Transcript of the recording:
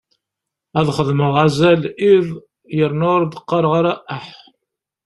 Ad xedmeɣ azal iḍ yerna ur d-qqareɣ ara aḥ.